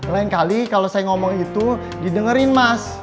lain kali kalau saya ngomong itu didengerin mas